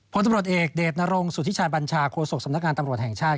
พลตำรวจเอกเดชนรงสุธิชายบัญชาโคศกสำนักงานตำรวจแห่งชาติ